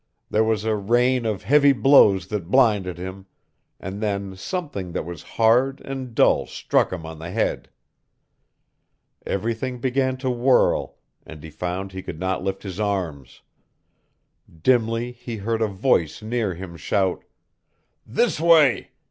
There was a rain of heavy blows that blinded him, and then something that was hard and dull struck him on the head. Everything began to whirl, and he found he could not lift his arms. Dimly he heard a voice near him shout: "This way!"